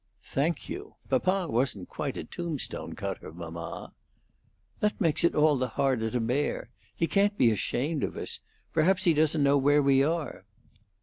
"Thank you. Papa wasn't quite a tombstone cutter, mamma." "That makes it all the harder to bear. He can't be ashamed of us. Perhaps he doesn't know where we are."